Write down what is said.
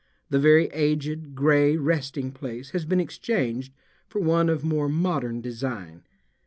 The very aged, gray resting place has been exchanged for one of more modern design.